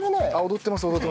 踊ってます。